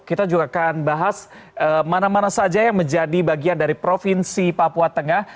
kita juga akan bahas mana mana saja yang menjadi bagian dari provinsi papua tengah